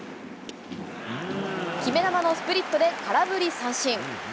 決め球のスプリットで空振り三振。